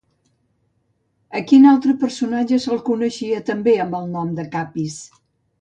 A quin altre personatge se'l coneixia també amb el nom de Capis?